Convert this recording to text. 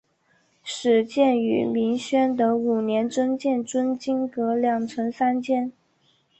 始建于明宣德五年增建尊经阁两层三间。